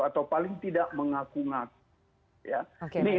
atau paling tidak mengaku ngaku